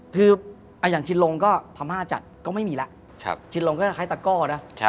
คืออย่างชินลงก็พม่าจัดก็ไม่มีแล้วชินลงก็คล้ายตะก้อนะ